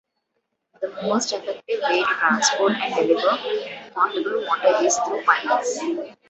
The most efficient way to transport and deliver potable water is through pipes.